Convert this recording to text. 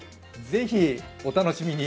ぜひ、お楽しみに。